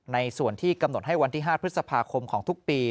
ในส่วนที่กำหนดให้วันที่๕พฤษภาคมของทุกปี